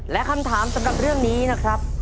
และคำถามสำหรับเรื่องนี้นะครับ